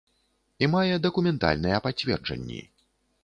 І мае дакументальныя пацверджанні.